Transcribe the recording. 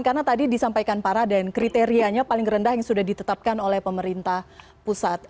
karena tadi disampaikan para dan kriterianya paling rendah yang sudah ditetapkan oleh pemerintah pusat